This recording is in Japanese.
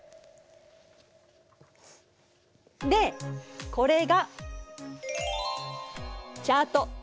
でこれが「チャート」。